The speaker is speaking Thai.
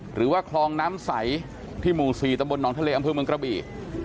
หรือว่าคลองน้ำใสที่หมู่๔ตะบลหนองทะเลอำเภอเมืองกระบี่